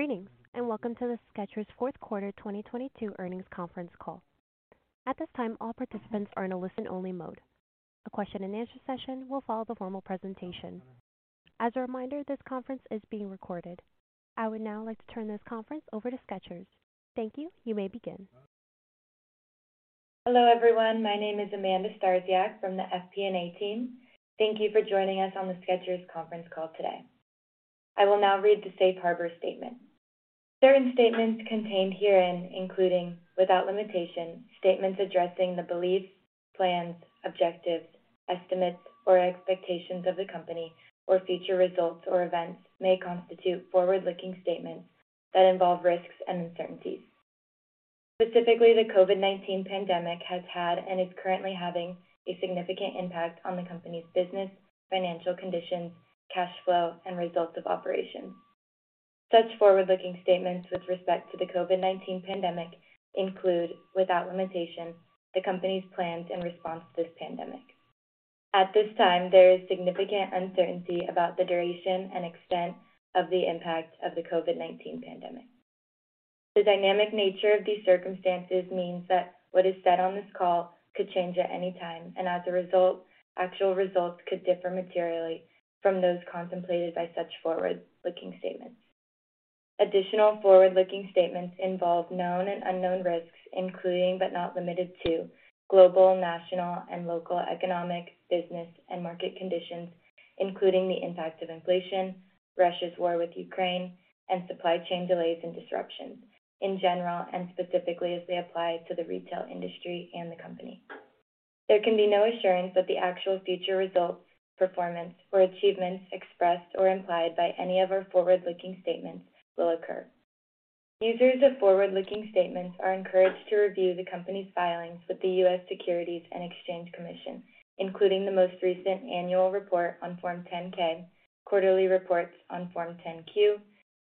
Greetings, and welcome to the Skechers' fourth quarter 2022 earnings conference call. At this time, all participants are in a listen-only mode. A question-and-answer session will follow the formal presentation. As a reminder, this conference is being recorded. I would now like to turn this conference over to Skechers. Thank you. You may begin. Hello, everyone. My name is Amanda Starsiak from the FP&A team. Thank you for joining us on the Skechers conference call today. I will now read the safe harbor statement. Certain statements contained herein, including without limitation, statements addressing the beliefs, plans, objectives, estimates, or expectations of the company or future results or events may constitute forward-looking statements that involve risks and uncertainties. Specifically, the COVID-19 pandemic has had and is currently having a significant impact on the company's business, financial conditions, cash flow, and results of operations. Such forward-looking statements with respect to the COVID-19 pandemic include, without limitation, the company's plans in response to this pandemic. At this time, there is significant uncertainty about the duration and extent of the impact of the COVID-19 pandemic. The dynamic nature of these circumstances means that what is said on this call could change at any time, and as a result, actual results could differ materially from those contemplated by such forward-looking statements. Additional forward-looking statements involve known and unknown risks, including, but not limited to, global, national, and local economic, business, and market conditions, including the impact of inflation, Russia's war with Ukraine, and supply chain delays and disruptions in general and specifically as they apply to the retail industry and the company. There can be no assurance that the actual future results, performance, or achievements expressed or implied by any of our forward-looking statements will occur. Users of forward-looking statements are encouraged to review the company's filings with the U.S. Securities and Exchange Commission, including the most recent annual report on Form 10-K, quarterly reports on Form 10-Q,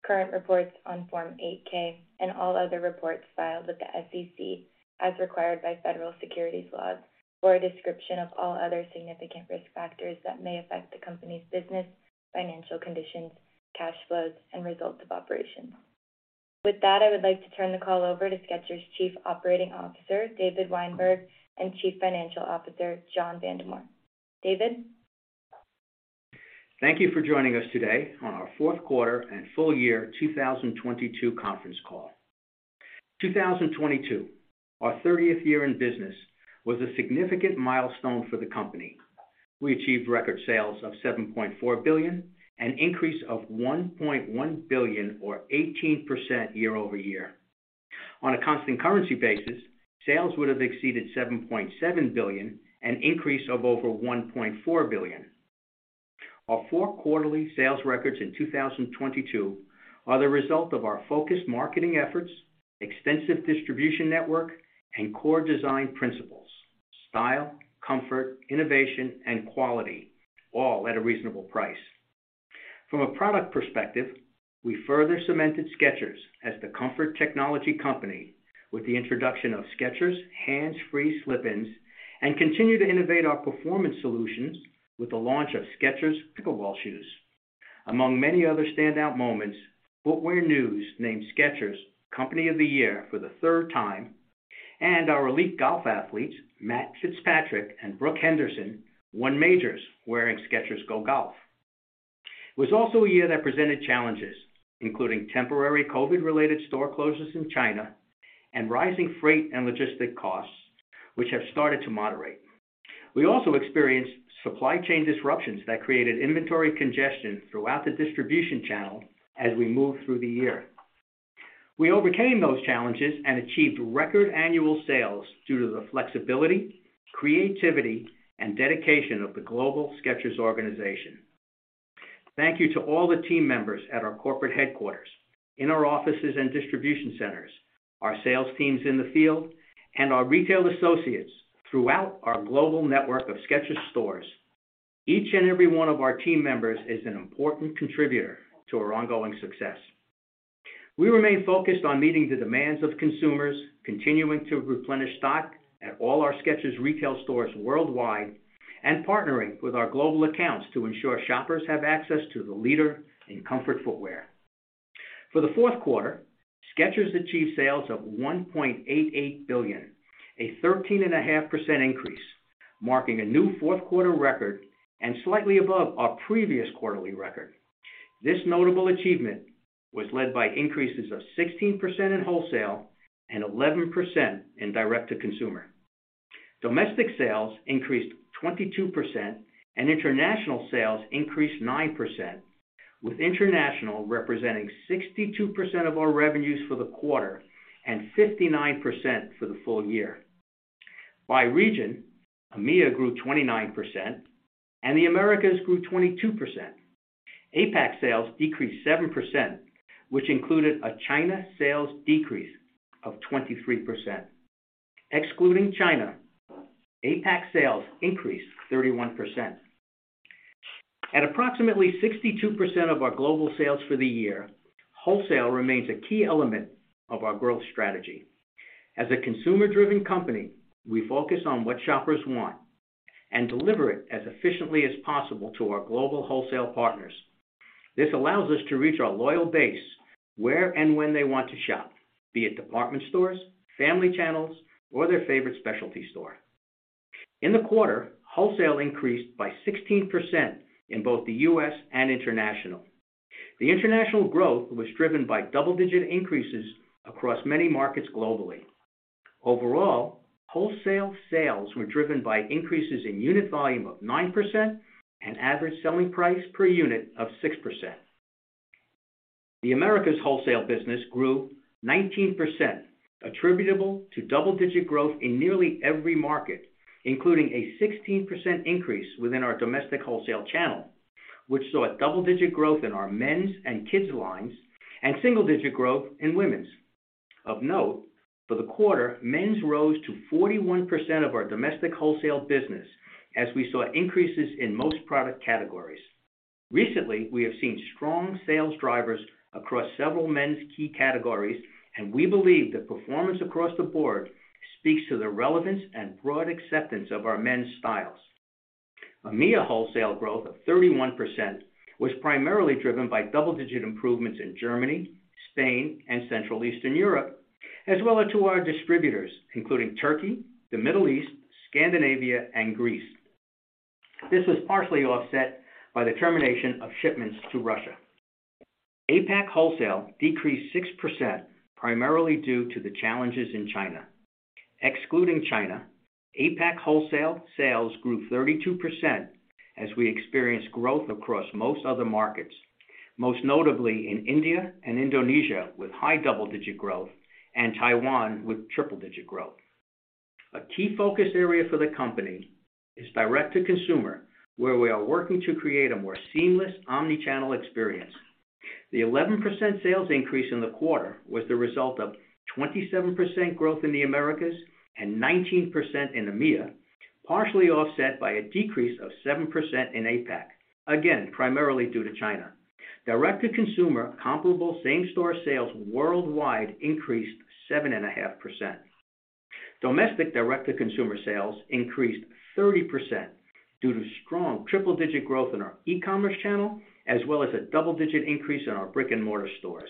current reports on Form 8-K, and all other reports filed with the SEC as required by federal securities laws for a description of all other significant risk factors that may affect the company's business, financial conditions, cash flows, and results of operations. With that, I would like to turn the call over to Skechers' Chief Operating Officer, David Weinberg, and Chief Financial Officer, John Vandemore. David? Thank you for joining us today on our 4th quarter and full year 2022 conference call. 2022, our 30th year in business, was a significant milestone for the company. We achieved record sales of $7.4 billion, an increase of $1.1 billion or 18% year-over-year. On a constant currency basis, sales would have exceeded $7.7 billion, an increase of over $1.4 billion. Our four quarterly sales records in 2022 are the result of our focused marketing efforts, extensive distribution network, and core design principles: style, comfort, innovation, and quality, all at a reasonable price. From a product perspective, we further cemented Skechers as the comfort technology company with the introduction of Skechers Hands Free Slip-ins and continue to innovate our performance solutions with the launch of Skechers Pickleball shoes. Among many other standout moments, Footwear News named Skechers Company of the Year for the third time, and our elite golf athletes, Matt Fitzpatrick and Brooke Henderson, won majors wearing Skechers GO GOLF. It was also a year that presented challenges, including temporary COVID-related store closures in China and rising freight and logistic costs, which have started to moderate. We also experienced supply chain disruptions that created inventory congestion throughout the distribution channel as we moved through the year. We overcame those challenges and achieved record annual sales due to the flexibility, creativity, and dedication of the global Skechers organization. Thank you to all the team members at our corporate headquarters, in our offices and distribution centers, our sales teams in the field, and our retail associates throughout our global network of Skechers stores. Each and every one of our team members is an important contributor to our ongoing success. We remain focused on meeting the demands of consumers, continuing to replenish stock at all our Skechers retail stores worldwide, and partnering with our global accounts to ensure shoppers have access to the leader in comfort footwear. For the fourth quarter, Skechers achieved sales of $1.88 billion, a 13.5% increase, marking a new fourth quarter record and slightly above our previous quarterly record. This notable achievement was led by increases of 16% in wholesale and 11% in direct-to-consumer. Domestic sales increased 22%, and international sales increased 9%, with international representing 62% of our revenues for the quarter and 59% for the full year. By region, EMEA grew 29% and the Americas grew 22%. APAC sales decreased 7%, which included a China sales decrease of 23%. Excluding China, APAC sales increased 31%. At approximately 62% of our global sales for the year, wholesale remains a key element of our growth strategy. As a consumer-driven company, we focus on what shoppers want. Deliver it as efficiently as possible to our global wholesale partners. This allows us to reach our loyal base where and when they want to shop, be it department stores, family channels, or their favorite specialty store. In the quarter, wholesale increased by 16% in both the U.S. and international. The international growth was driven by double-digit increases across many markets globally. Overall, wholesale sales were driven by increases in unit volume of 9% and average selling price per unit of 6%. The Americas wholesale business grew 19%, attributable to double-digit growth in nearly every market, including a 16% increase within our domestic wholesale channel, which saw a double-digit growth in our men's and kids' lines and single-digit growth in women's. Of note, for the quarter, men's rose to 41% of our domestic wholesale business as we saw increases in most product categories. Recently, we have seen strong sales drivers across several men's key categories, and we believe the performance across the board speaks to the relevance and broad acceptance of our men's styles. EMEA wholesale growth of 31% was primarily driven by double-digit improvements in Germany, Spain, and Central Eastern Europe, as well as to our distributors, including Turkey, the Middle East, Scandinavia, and Greece. This was partially offset by the termination of shipments to Russia. APAC wholesale decreased 6%, primarily due to the challenges in China. Excluding China, APAC wholesale sales grew 32% as we experienced growth across most other markets, most notably in India and Indonesia with high double-digit growth and Taiwan with triple-digit growth. A key focus area for the company is direct-to-consumer, where we are working to create a more seamless omni-channel experience. The 11% sales increase in the quarter was the result of 27% growth in the Americas and 19% in EMEA, partially offset by a decrease of 7% in APAC, again, primarily due to China. Direct-to-consumer comparable same-store sales worldwide increased 7.5%. Domestic direct-to-consumer sales increased 30% due to strong triple-digit growth in our e-commerce channel, as well as a double-digit increase in our brick-and-mortar stores.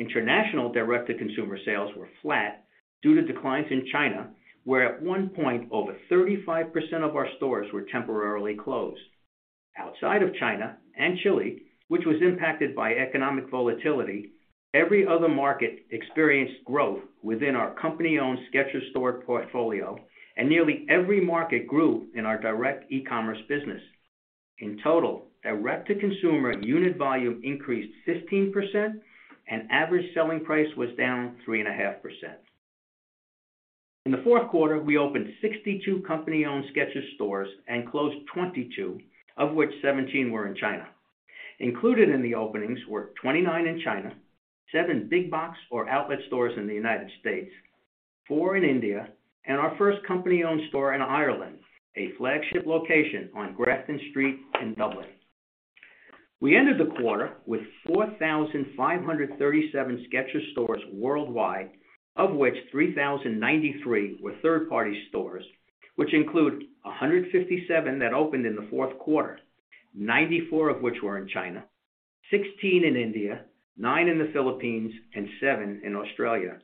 International direct-to-consumer sales were flat due to declines in China, where at one point over 35% of our stores were temporarily closed. Outside of China and Chile, which was impacted by economic volatility, every other market experienced growth within our company-owned Skechers store portfolio, and nearly every market grew in our direct e-commerce business. In total, direct-to-consumer unit volume increased 15%, and average selling price was down 3.5%. In the fourth quarter, we opened 62 company-owned Skechers stores and closed 22, of which 17 were in China. Included in the openings were 29 in China, seven big box or outlet stores in the United States, four in India, and our first company-owned store in Ireland, a flagship location on Grafton Street in Dublin. We ended the quarter with 4,537 Skechers stores worldwide, of which 3,093 were third-party stores, which include 157 that opened in the fourth quarter, 94 of which were in China, 16 in India, nine in the Philippines, and seven in Australia.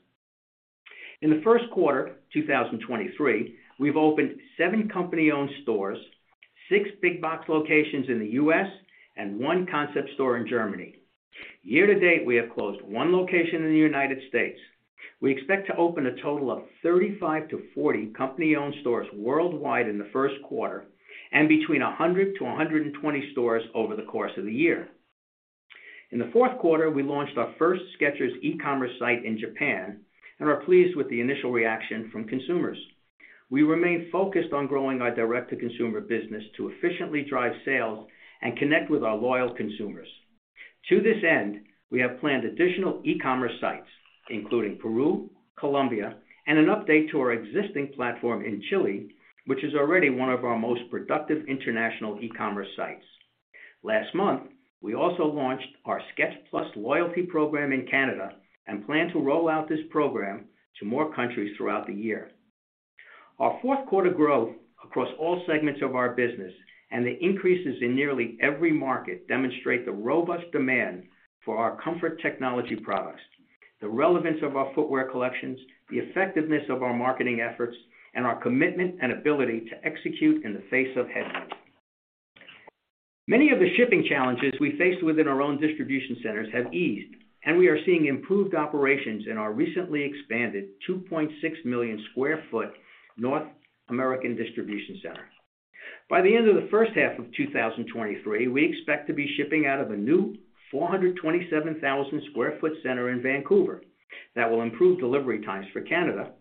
In the first quarter, 2023, we've opened seven company-owned stores, six big box locations in the U.S., and one concept store in Germany. Year to date, we have closed one location in the United States. We expect to open a total of 35-40 company-owned stores worldwide in the first quarter and between 100-120 stores over the course of the year. In the fourth quarter, we launched our first Skechers e-commerce site in Japan and are pleased with the initial reaction from consumers. We remain focused on growing our direct-to-consumer business to efficiently drive sales and connect with our loyal consumers. To this end, we have planned additional e-commerce sites, including Peru, Colombia, and an update to our existing platform in Chile, which is already one of our most productive international e-commerce sites. Last month, we also launched our Skechers Plus loyalty program in Canada and plan to roll out this program to more countries throughout the year. Our fourth quarter growth across all segments of our business and the increases in nearly every market demonstrate the robust demand for our comfort technology products, the relevance of our footwear collections, the effectiveness of our marketing efforts, and our commitment and ability to execute in the face of headwinds. Many of the shipping challenges we faced within our own distribution centers have eased, and we are seeing improved operations in our recently expanded 2.6 million sq ft North American distribution center. By the end of the first half of 2023, we expect to be shipping out of a new 427,000 sq ft center in Vancouver that will improve delivery times for Canada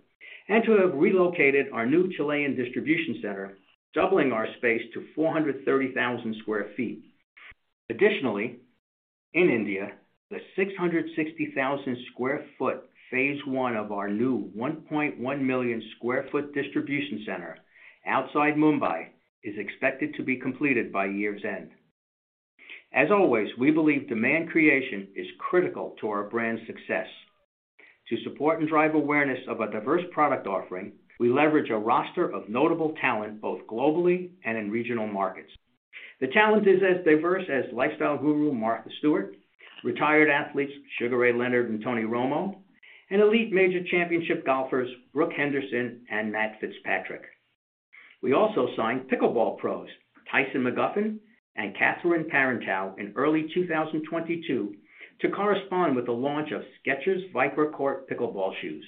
and to have relocated our new Chilean distribution center, doubling our space to 430,000 sq ft. Additionally, in India, the 660,000 sq ft phase I of our new 1.1 million sq ft distribution center outside Mumbai is expected to be completed by year's end. As always, we believe demand creation is critical to our brand's success. To support and drive awareness of a diverse product offering, we leverage a roster of notable talent, both globally and in regional markets. The talent is as diverse as lifestyle guru Martha Stewart, retired athletes Sugar Ray Leonard and Tony Romo, and elite major championship golfers Brooke Henderson and Matt Fitzpatrick. We also signed pickleball pros Tyson McGuffin and Catherine Parenteau in early 2022 to correspond with the launch of Skechers Viper Court pickleball shoes.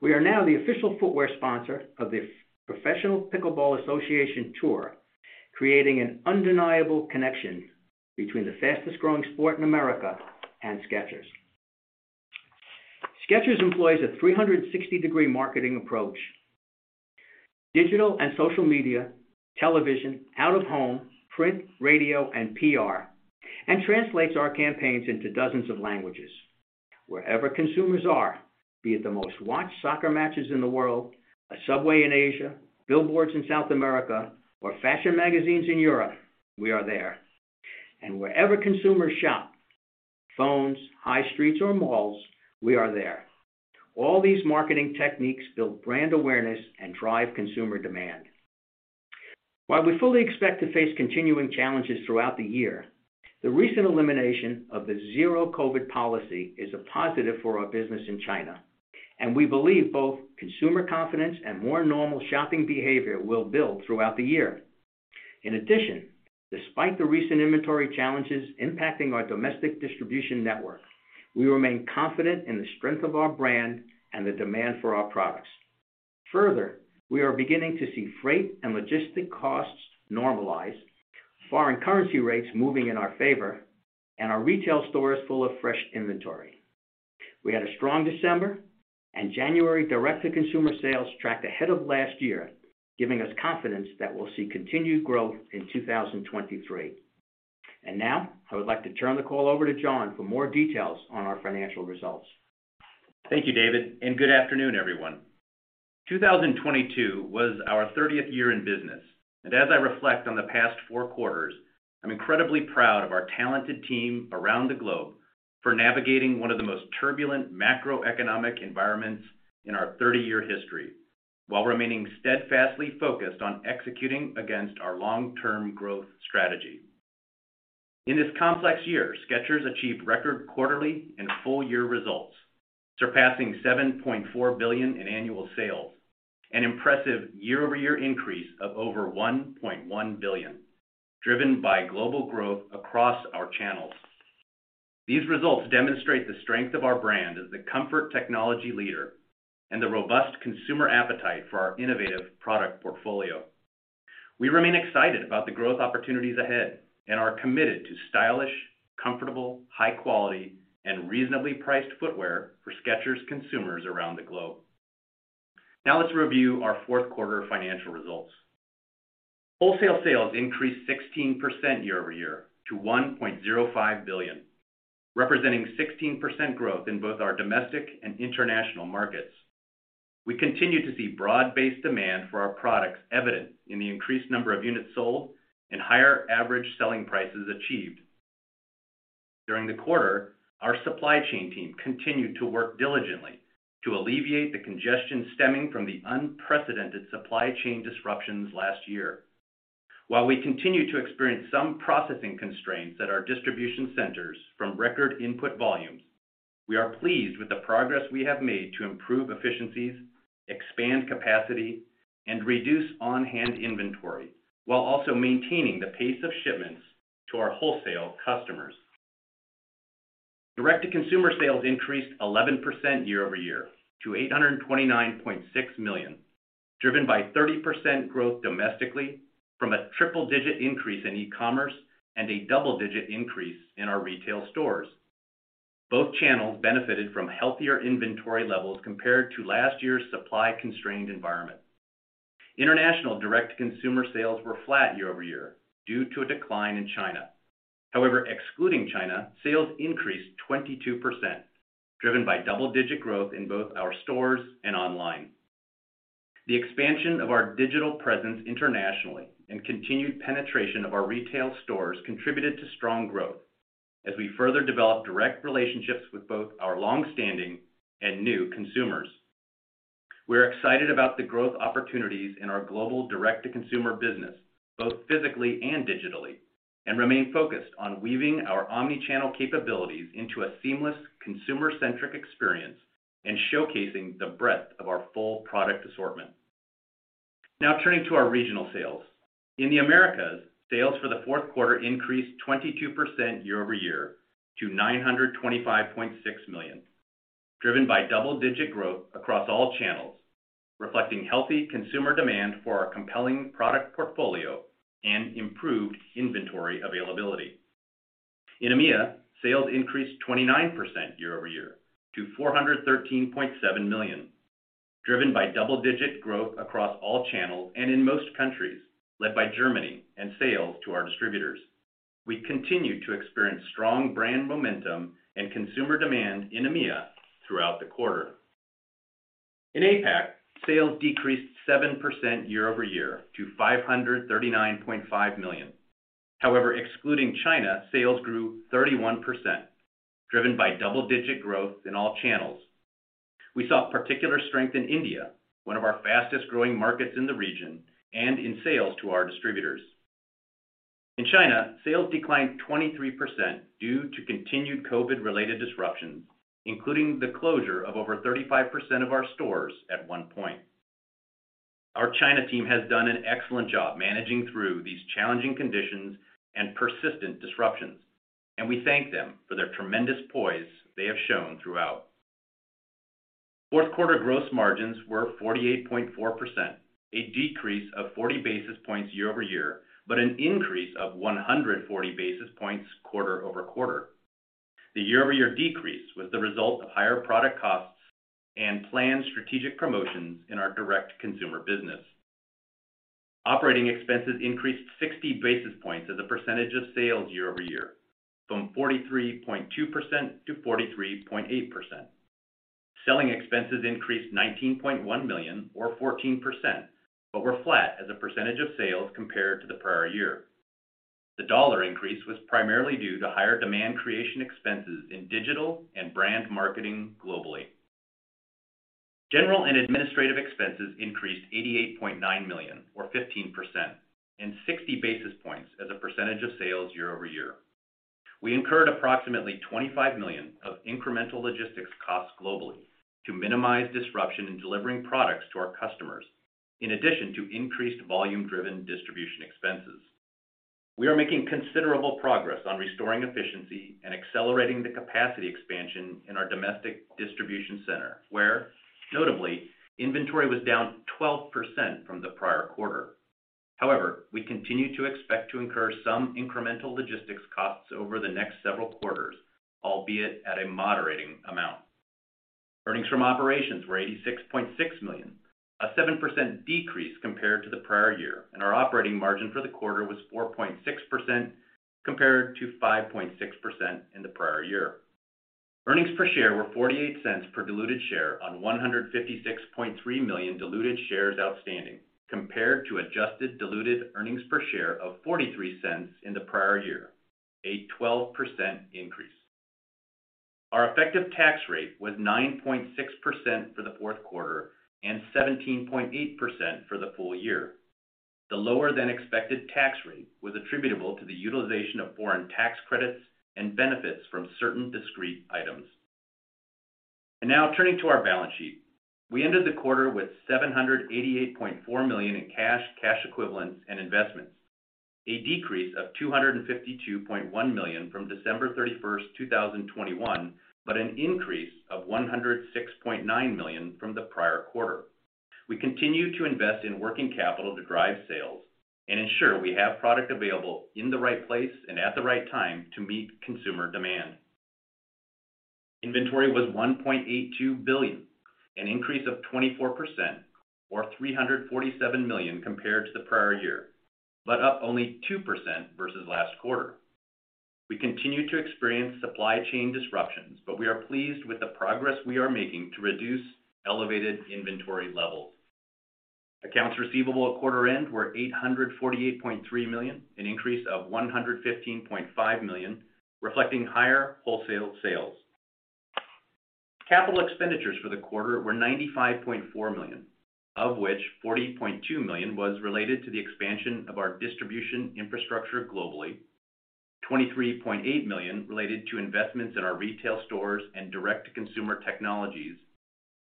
We are now the official footwear sponsor of the Professional Pickleball Association Tour, creating an undeniable connection between the fastest-growing sport in America and Skechers. Skechers employs a 360-degree marketing approach, digital and social media, television, out of home, print, radio, and PR, and translates our campaigns into dozens of languages. Wherever consumers are, be it the most-watched soccer matches in the world, a subway in Asia, billboards in South America, or fashion magazines in Europe, we are there. Wherever consumers shop, phones, high streets or malls, we are there. All these marketing techniques build brand awareness and drive consumer demand. While we fully expect to face continuing challenges throughout the year, the recent elimination of the zero COVID policy is a positive for our business in China, and we believe both consumer confidence and more normal shopping behavior will build throughout the year. In addition, despite the recent inventory challenges impacting our domestic distribution network, we remain confident in the strength of our brand and the demand for our products. We are beginning to see freight and logistic costs normalize, foreign currency rates moving in our favor, and our retail stores full of fresh inventory. We had a strong December, and January direct-to-consumer sales tracked ahead of last year, giving us confidence that we'll see continued growth in 2023. Now, I would like to turn the call over to John for more details on our financial results. Thank you, David, and good afternoon, everyone. 2022 was our 30th year in business, and as I reflect on the past four quarters, I'm incredibly proud of our talented team around the globe for navigating one of the most turbulent macroeconomic environments in our 30-year history, while remaining steadfastly focused on executing against our long-term growth strategy. In this complex year, Skechers achieved record quarterly and full-year results, surpassing $7.4 billion in annual sales, an impressive year-over-year increase of over $1.1 billion, driven by global growth across our channels. These results demonstrate the strength of our brand as the comfort technology leader and the robust consumer appetite for our innovative product portfolio. We remain excited about the growth opportunities ahead and are committed to stylish, comfortable, high quality, and reasonably priced footwear for Skechers consumers around the globe. Let's review our fourth quarter financial results. Wholesale sales increased 16% year-over-year to $1.05 billion, representing 16% growth in both our domestic and international markets. We continue to see broad-based demand for our products evident in the increased number of units sold and higher average selling prices achieved. During the quarter, our supply chain team continued to work diligently to alleviate the congestion stemming from the unprecedented supply chain disruptions last year. While we continue to experience some processing constraints at our distribution centers from record input volumes, we are pleased with the progress we have made to improve efficiencies, expand capacity, and reduce on-hand inventory, while also maintaining the pace of shipments to our wholesale customers. Direct-to-consumer sales increased 11% year-over-year to $829.6 million, driven by 30% growth domestically from a triple-digit increase in e-commerce and a double-digit increase in our retail stores. Both channels benefited from healthier inventory levels compared to last year's supply-constrained environment. International direct-to-consumer sales were flat year-over-year due to a decline in China. Excluding China, sales increased 22%, driven by double-digit growth in both our stores and online. The expansion of our digital presence internationally and continued penetration of our retail stores contributed to strong growth as we further develop direct relationships with both our longstanding and new consumers. We're excited about the growth opportunities in our global direct-to-consumer business, both physically and digitally, and remain focused on weaving our omni-channel capabilities into a seamless consumer-centric experience and showcasing the breadth of our full product assortment. Now turning to our regional sales. In the Americas, sales for the fourth quarter increased 22% year-over-year to $925.6 million, driven by double-digit growth across all channels, reflecting healthy consumer demand for our compelling product portfolio and improved inventory availability. In EMEA, sales increased 29% year-over-year to $413.7 million, driven by double-digit growth across all channels and in most countries, led by Germany and sales to our distributors. We continued to experience strong brand momentum and consumer demand in EMEA throughout the quarter. In APAC, sales decreased 7% year-over-year to $539.5 million. Excluding China, sales grew 31%, driven by double-digit growth in all channels. We saw particular strength in India, one of our fastest-growing markets in the region, and in sales to our distributors. In China, sales declined 23% due to continued COVID-related disruptions, including the closure of over 35% of our stores at one point. Our China team has done an excellent job managing through these challenging conditions and persistent disruptions, and we thank them for their tremendous poise they have shown throughout. Fourth quarter gross margins were 48.4%, a decrease of 40 basis points year-over-year, but an increase of 140 basis points quarter-over-quarter. The year-over-year decrease was the result of higher product costs and planned strategic promotions in our direct consumer business. Operating expenses increased 60 basis points as a percentage of sales year-over-year from 43.2%-43.8%. Selling expenses increased $19.1 million or 14%, but were flat as a percentage of sales compared to the prior year. The dollar increase was primarily due to higher demand creation expenses in digital and brand marketing globally. General and administrative expenses increased $88.9 million or 15% and 60 basis points as a percentage of sales year-over-year. We incurred approximately $25 million of incremental logistics costs globally to minimize disruption in delivering products to our customers, in addition to increased volume-driven distribution expenses. We are making considerable progress on restoring efficiency and accelerating the capacity expansion in our domestic distribution center, where notably inventory was down 12% from the prior quarter. We continue to expect to incur some incremental logistics costs over the next several quarters, albeit at a moderating amount. Earnings from operations were $86.6 million, a 7% decrease compared to the prior year, and our operating margin for the quarter was 4.6% compared to 5.6% in the prior year. Earnings per share were $0.48 per diluted share on 156.3 million diluted shares outstanding compared to adjusted diluted earnings per share of $0.43 in the prior year, a 12% increase. Our effective tax rate was 9.6% for the fourth quarter and 17.8% for the full year. The lower than expected tax rate was attributable to the utilization of foreign tax credits and benefits from certain discrete items. Now turning to our balance sheet. We ended the quarter with $788.4 million in cash equivalents and investments, a decrease of $252.1 million from December 31st, 2021, but an increase of $106.9 million from the prior quarter. We continue to invest in working capital to drive sales and ensure we have product available in the right place and at the right time to meet consumer demand. Inventory was $1.82 billion, an increase of 24% or $347 million compared to the prior year, but up only 2% versus last quarter. We continue to experience supply chain disruptions, but we are pleased with the progress we are making to reduce elevated inventory levels. Accounts receivable at quarter end were $848.3 million, an increase of $115.5 million, reflecting higher wholesale sales. Capital expenditures for the quarter were $95.4 million, of which $40.2 million was related to the expansion of our distribution infrastructure globally, $23.8 million related to investments in our retail stores and direct-to-consumer technologies,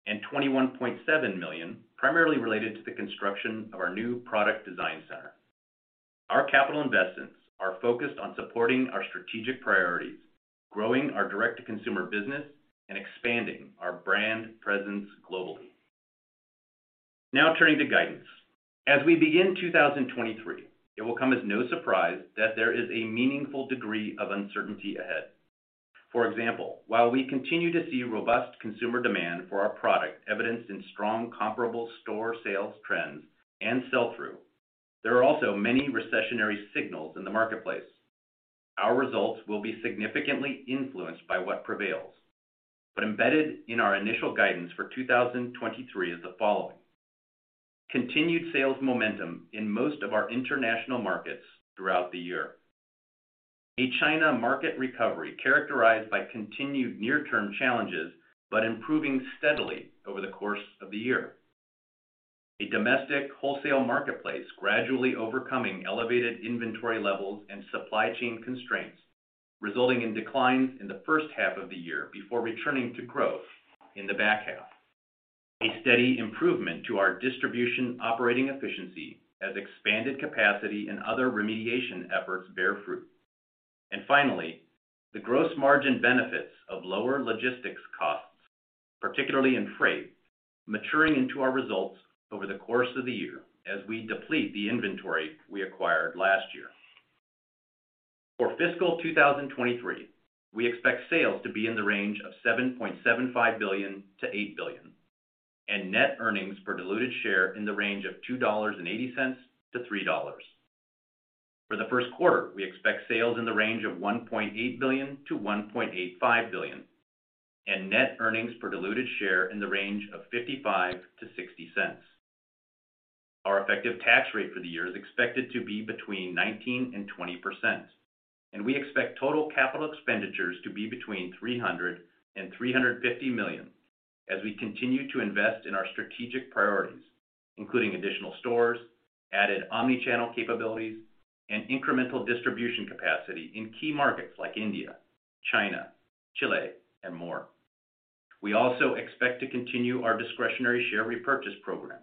and $21.7 million primarily related to the construction of our new product design center. Our capital investments are focused on supporting our strategic priorities, growing our direct-to-consumer business, and expanding our brand presence globally. Turning to guidance. As we begin 2023, it will come as no surprise that there is a meaningful degree of uncertainty ahead. For example, while we continue to see robust consumer demand for our product evidenced in strong comparable store sales trends and sell-through, there are also many recessionary signals in the marketplace. Our results will be significantly influenced by what prevails. Embedded in our initial guidance for 2023 is the following. Continued sales momentum in most of our international markets throughout the year. A China market recovery characterized by continued near-term challenges but improving steadily over the course of the year. A domestic wholesale marketplace gradually overcoming elevated inventory levels and supply chain constraints, resulting in declines in the first half of the year before returning to growth in the back half. A steady improvement to our distribution operating efficiency as expanded capacity and other remediation efforts bear fruit. Finally, the gross margin benefits of lower logistics costs, particularly in freight, maturing into our results over the course of the year as we deplete the inventory we acquired last year. For fiscal 2023, we expect sales to be in the range of $7.75 billion-$8 billion, and net earnings per diluted share in the range of $2.80-$3.00. For the first quarter, we expect sales in the range of $1.8 billion-$1.85 billion, and net earnings per diluted share in the range of $0.55-$0.60. Our effective tax rate for the year is expected to be between 19% and 20%, and we expect total capital expenditures to be between $300 million and $350 million as we continue to invest in our strategic priorities, including additional stores, added omni-channel capabilities, and incremental distribution capacity in key markets like India, China, Chile, and more. We also expect to continue our discretionary share repurchase program,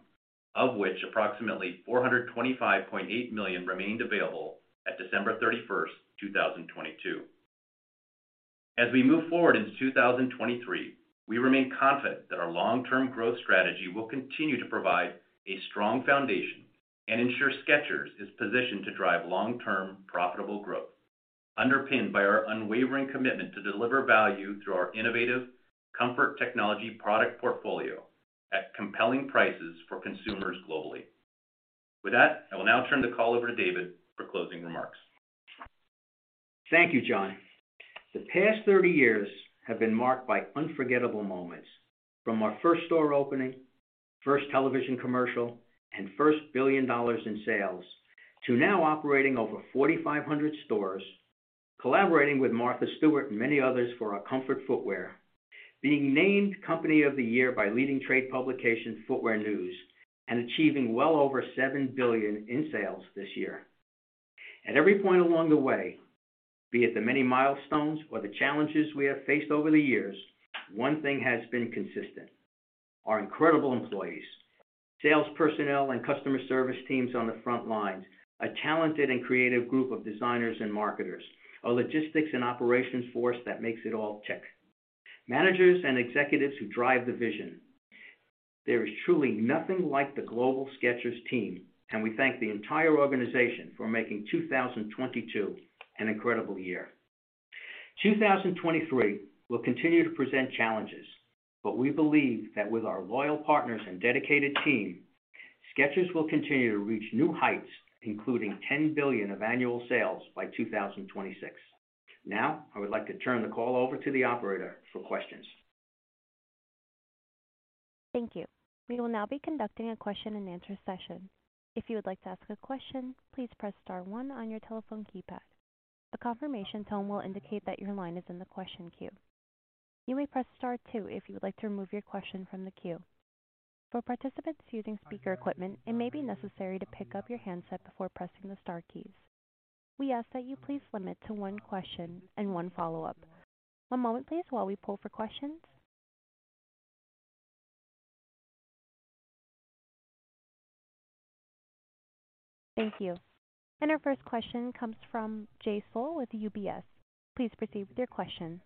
of which approximately $425.8 million remained available at December 31, 2022. As we move forward into 2023, we remain confident that our long-term growth strategy will continue to provide a strong foundation and ensure Skechers is positioned to drive long-term profitable growth, underpinned by our unwavering commitment to deliver value through our innovative comfort technology product portfolio at compelling prices for consumers globally. With that, I will now turn the call over to David for closing remarks. Thank you, John. The past 30 years have been marked by unforgettable moments, from our first store opening, first television commercial, and first $1 billion in sales, to now operating over 4,500 stores, collaborating with Martha Stewart and many others for our comfort footwear, being named Company of the Year by leading trade publication, Footwear News, and achieving well over $7 billion in sales this year. At every point along the way, be it the many milestones or the challenges we have faced over the years, one thing has been consistent, our incredible employees, sales personnel, and customer service teams on the front lines, a talented and creative group of designers and marketers, a logistics and operations force that makes it all tick. Managers and executives who drive the vision. There is truly nothing like the global Skechers team. We thank the entire organization for making 2022 an incredible year. 2023 will continue to present challenges, but we believe that with our loyal partners and dedicated team, Skechers will continue to reach new heights, including $10 billion of annual sales by 2026. Now, I would like to turn the call over to the operator for questions. Thank you. We will now be conducting a question and answer session. If you would like to ask a question, please press star one on your telephone keypad. A confirmation tone will indicate that your line is in the question queue. You may press star two if you would like to remove your question from the queue. For participants using speaker equipment, it may be necessary to pick up your handset before pressing the star keys. We ask that you please limit to one question and one follow-up. One moment please, while we pull for questions. Thank you. Our first question comes from Jay Sole with UBS. Please proceed with your question.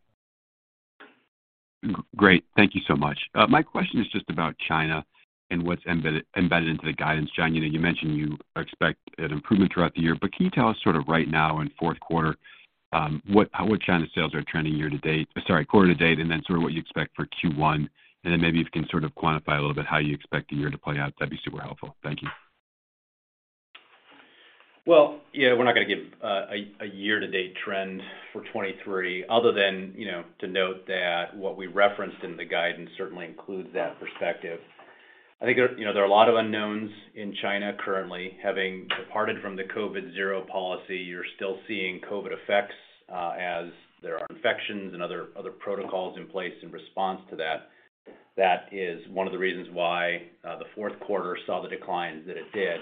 Great. Thank you so much. My question is just about China and what's embedded into the guidance, John. You know, you mentioned you expect an improvement throughout the year, but can you tell us sort of right now in fourth quarter, how would China sales are trending quarter to date, and then sort of what you expect for Q1, and then maybe if you can sort of quantify a little bit how you expect the year to play out, that'd be super helpful. Thank you. Well, yeah, we're not going to give a year-to-date trend for 2023 other than, you know, to note that what we referenced in the guidance certainly includes that perspective. I think there, you know, there are a lot of unknowns in China currently. Having departed from the COVID zero policy, you're still seeing COVID effects, as there are infections and other protocols in place in response to that. That is one of the reasons why the fourth quarter saw the decline that it did.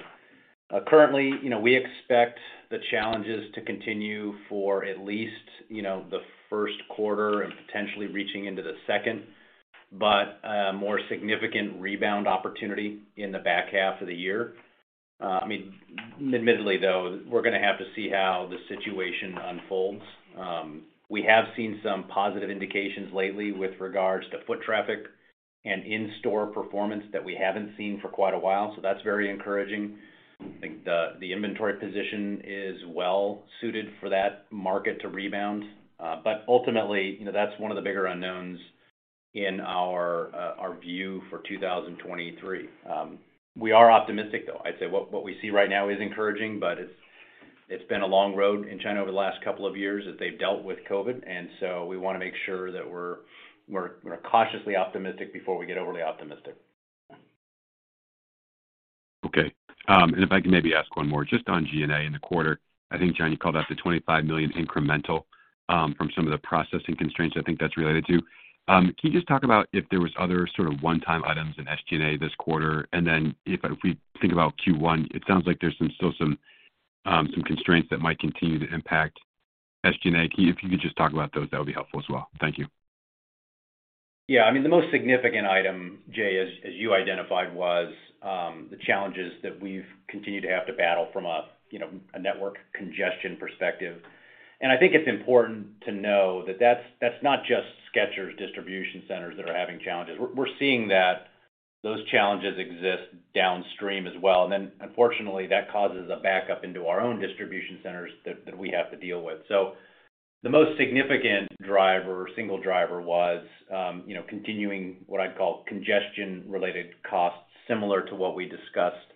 Currently, you know, we expect the challenges to continue for at least, you know, the first quarter and potentially reaching into the second, but, more significant rebound opportunity in the back half of the year. I mean, admittedly, though, we're gonna have to see how the situation unfolds. We have seen some positive indications lately with regards to foot traffic and in-store performance that we haven't seen for quite a while. That's very encouraging. I think the inventory position is well suited for that market to rebound. Ultimately, you know, that's one of the bigger unknowns in our view for 2023. We are optimistic, though. I'd say what we see right now is encouraging, but it's been a long road in China over the last couple of years as they've dealt with COVID. We wanna make sure that we're cautiously optimistic before we get overly optimistic. Okay. If I can maybe ask one more just on G&A in the quarter. I think, John, you called out the $25 million incremental, from some of the processing constraints I think that's related to. Can you just talk about if there was other sort of one-time items in SG&A this quarter? If we think about Q1, it sounds like there's still some constraints that might continue to impact SG&A. If you could just talk about those, that would be helpful as well. Thank you. Yeah. I mean, the most significant item, Jay, as you identified, was the challenges that we've continued to have to battle from a, you know, a network congestion perspective. I think it's important to know that that's not just Skechers distribution centers that are having challenges. We're seeing that those challenges exist downstream as well. Unfortunately, that causes a backup into our own distribution centers that we have to deal with. The most significant driver, single driver was, you know, continuing what I'd call congestion related costs, similar to what we discussed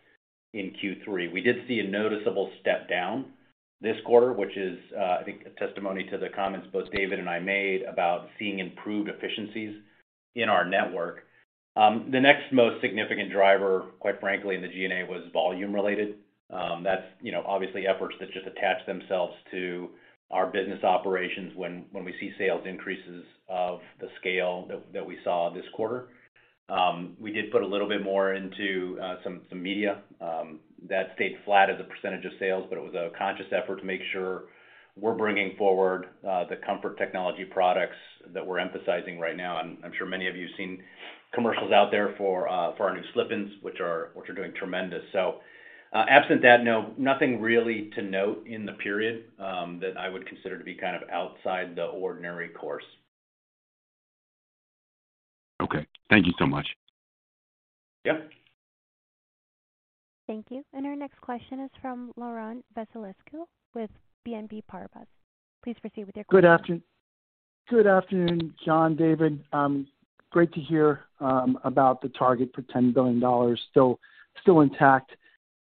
in Q3. We did see a noticeable step down this quarter, which is, I think a testimony to the comments both David and I made about seeing improved efficiencies in our network. The next most significant driver, quite frankly, in the G&A was volume related. That's, you know, obviously efforts that just attach themselves to our business operations when we see sales increases of the scale that we saw this quarter. We did put a little bit more into some media that stayed flat as a % of sales, but it was a conscious effort to make sure we're bringing forward the comfort technology products that we're emphasizing right now. I'm sure many of you have seen commercials out there for our new Slip-ins, which are doing tremendous. Absent that, no, nothing really to note in the period that I would consider to be kind of outside the ordinary course. Okay. Thank you so much. Yeah. Thank you. Our next question is from Laurent Vasilescu with BNP Paribas. Please proceed with your question. Good afternoon. Good afternoon, John, David. Great to hear about the target for $10 billion still intact.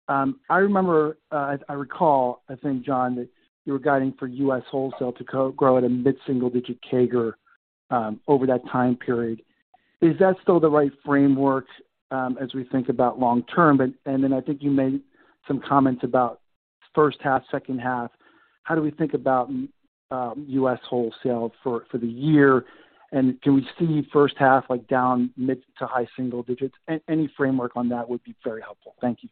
I remember, I recall, I think, John, that you were guiding for U.S. wholesale to grow at a mid-single digit CAGR over that time period. Is that still the right framework as we think about long term? Then I think you made some comments about first half, second half. How do we think about U.S. wholesale for the year? Can we see first half like down mid to high single digits? Any framework on that would be very helpful. Thank you.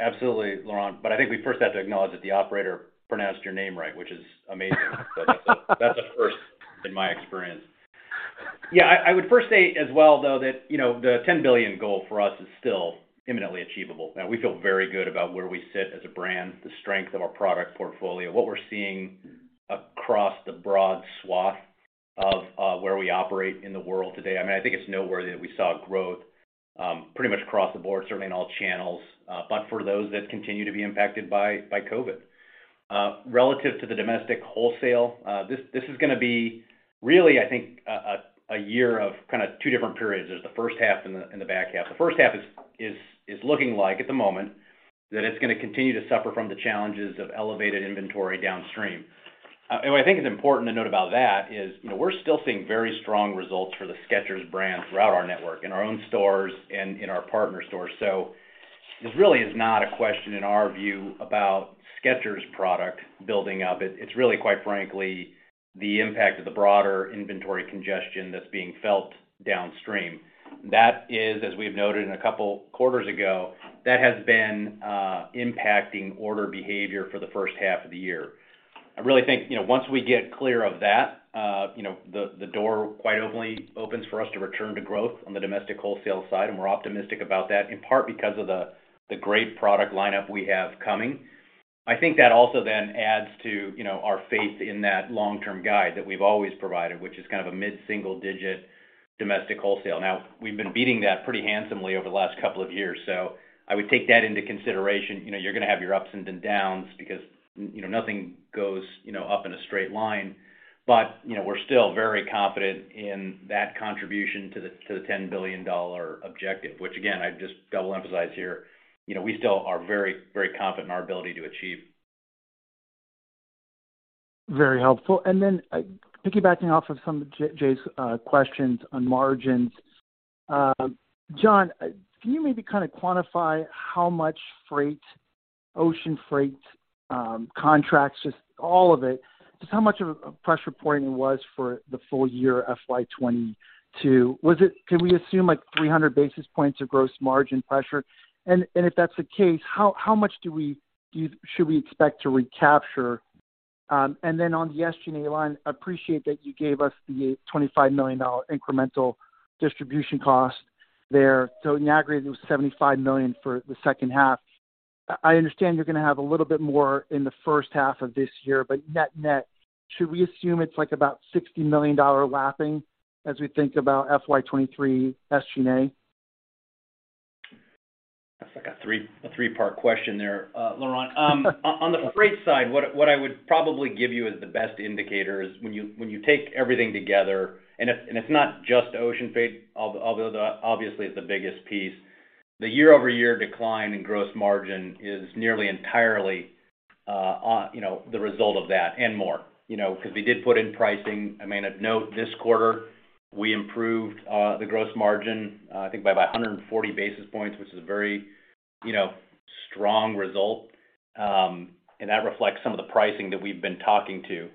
Absolutely, Laurent. I think we first have to acknowledge that the operator pronounced your name right, which is amazing. That's a first in my experience. I would first say as well, though, that, you know, the $10 billion goal for us is still imminently achievable. We feel very good about where we sit as a brand, the strength of our product portfolio. What we're seeing across the broad swath of where we operate in the world today. I mean, I think it's noteworthy that we saw growth pretty much across the board, certainly in all channels, but for those that continue to be impacted by COVID. Relative to the domestic wholesale, this is gonna be really, I think, a year of kind of two different periods. There's the first half and the back half. The first half is looking like at the moment, that it's gonna continue to suffer from the challenges of elevated inventory downstream. What I think is important to note about that is, you know, we're still seeing very strong results for the Skechers brand throughout our network, in our own stores and in our partner stores. This really is not a question in our view about Skechers product building up. It's really, quite frankly, the impact of the broader inventory congestion that's being felt downstream. That is, as we've noted in a couple quarters ago, that has been impacting order behavior for the first half of the year. I really think, you know, once we get clear of that, you know, the door quite openly opens for us to return to growth on the domestic wholesale side. We're optimistic about that, in part because of the great product lineup we have coming. I think that also then adds to, you know, our faith in that long-term guide that we've always provided, which is kind of a mid-single digit domestic wholesale. We've been beating that pretty handsomely over the last couple of years, so I would take that into consideration. You know, you're gonna have your ups and then downs because, you know, nothing goes, you know, up in a straight line. You know, we're still very confident in that contribution to the $10 billion objective. Again, I just double emphasize here, you know, we still are very, very confident in our ability to achieve. Very helpful. Then, piggybacking off of some of Jay's questions on margins. John, can you maybe kind of quantify how much freight, ocean freight, contracts, just all of it, just how much of a pressure point it was for the full year FY 2022? Can we assume like 300 basis points of gross margin pressure? If that's the case, how much should we expect to recapture? On the SG&A line, appreciate that you gave us the $25 million incremental distribution cost there. In aggregate, it was $75 million for the second half. I understand you're gonna have a little bit more in the first half of this year, but net-net, should we assume it's like about $60 million lapping as we think about FY 2023 SG&A? That's like a three-part question there, Laurent Vasilescu. On the freight side, what I would probably give you as the best indicator is when you take everything together, and it's not just ocean freight, although obviously it's the biggest piece. The year-over-year decline in gross margin is nearly entirely on, you know, the result of that and more, you know, because we did put in pricing. I mean, of note this quarter, we improved the gross margin, I think by about 140 basis points, which is a very, you know, strong result. That reflects some of the pricing that we've been talking to.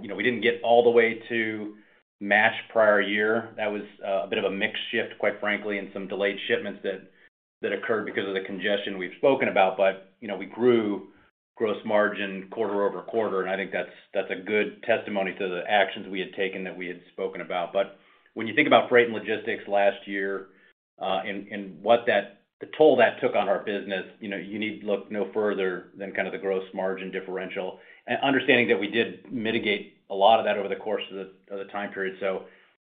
You know, we didn't get all the way to match prior year. That was a bit of a mix shift, quite frankly, and some delayed shipments that occurred because of the congestion we've spoken about. You know, we grew gross margin quarter-over-quarter, and I think that's a good testimony to the actions we had taken that we had spoken about. When you think about freight and logistics last year, and what the toll that took on our business, you know, you need to look no further than kind of the gross margin differential. Understanding that we did mitigate a lot of that over the course of the, of the time period.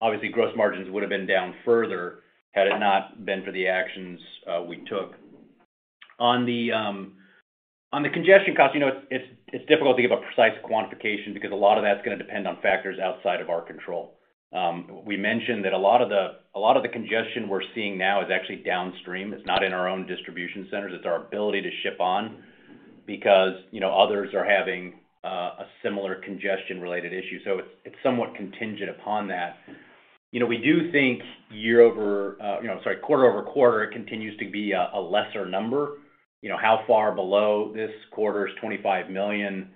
Obviously, gross margins would have been down further had it not been for the actions we took. On the congestion cost, you know, it's difficult to give a precise quantification because a lot of that's gonna depend on factors outside of our control. We mentioned that a lot of the congestion we're seeing now is actually downstream. It's not in our own distribution centers, it's our ability to ship on because, you know, others are having a similar congestion-related issue. It's, it's somewhat contingent upon that. You know, we do think, you know, sorry, quarter-over-quarter, it continues to be a lesser number. You know, how far below this quarter's $25 million,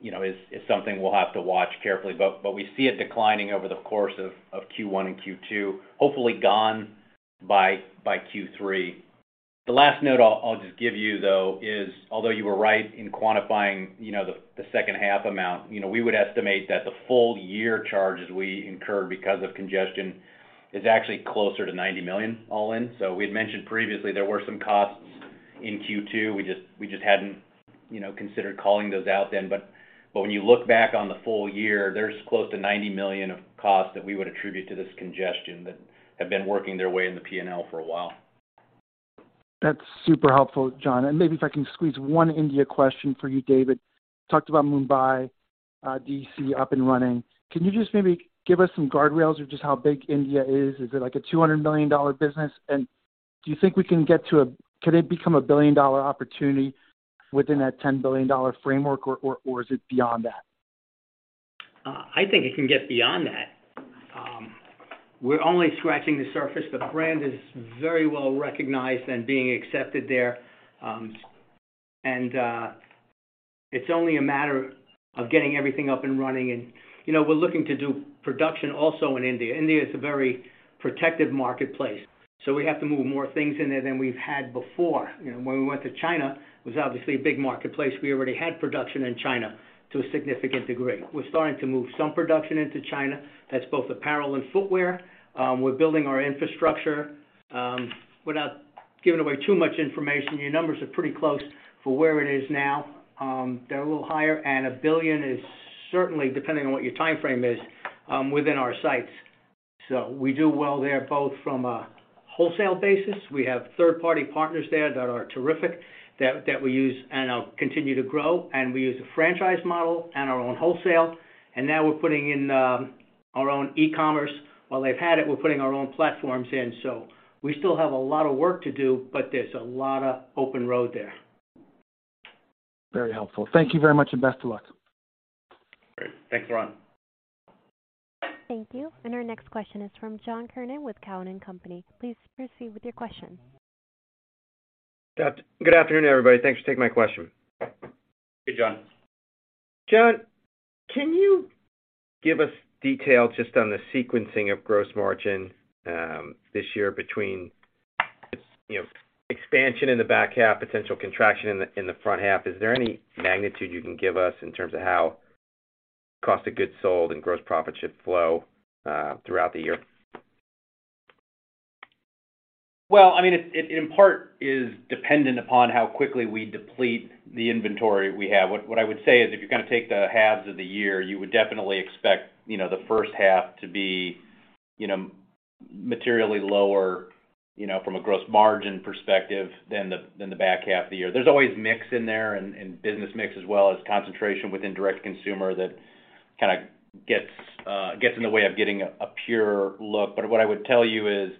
you know, is something we'll have to watch carefully. We see it declining over the course of Q1 and Q2, hopefully gone by Q3. The last note I'll just give you, though, is although you were right in quantifying, you know, the second half amount, you know, we would estimate that the full year charges we incurred because of congestion is actually closer to $90 million all in. We had mentioned previously there were some costs in Q2. We just hadn't, you know, considered calling those out then. When you look back on the full year, there's close to $90 million of costs that we would attribute to this congestion that have been working their way in the P&L for a while. That's super helpful, John. Maybe if I can squeeze one India question for you, David. Talked about Mumbai, D.C. up and running. Can you just maybe give us some guardrails or just how big India is? Is it like a $200 million business? Do you think we can get to could it become a billion-dollar opportunity within that $10 billion framework or is it beyond that? I think it can get beyond that. We're only scratching the surface. The brand is very well-recognized and being accepted there. It's only a matter of getting everything up and running and. You know, we're looking to do production also in India. India is a very protective marketplace, so we have to move more things in there than we've had before. You know, when we went to China, it was obviously a big marketplace. We already had production in China to a significant degree. We're starting to move some production into China. That's both apparel and footwear. We're building our infrastructure. Without giving away too much information, your numbers are pretty close for where it is now. They're a little higher, and $1 billion is certainly, depending on what your timeframe is, within our sights. We do well there, both from a wholesale basis. We have third-party partners there that are terrific that we use and continue to grow. We use a franchise model and our own wholesale, and now we're putting in our own e-commerce. While they've had it, we're putting our own platforms in. We still have a lot of work to do, but there's a lot of open road there. Very helpful. Thank you very much. Best of luck. Great. Thank you. Thank you. Our next question is from John Kernan with Cowen and Company. Please proceed with your question. Good afternoon, everybody. Thanks for taking my question. Hey, John. John, can you give us detail just on the sequencing of gross margin, this year between, you know, expansion in the back half, potential contraction in the, in the front half? Is there any magnitude you can give us in terms of how cost of goods sold and gross profit should flow throughout the year? Well, I mean, it, in part is dependent upon how quickly we deplete the inventory we have. What I would say is, if you're gonna take the halves of the year, you would definitely expect, you know, the first half to be, you know, materially lower, you know, from a gross margin perspective than the back half of the year. There's always mix in there and business mix as well as concentration within direct consumer that kind of gets in the way of getting a pure look. What I would tell you is,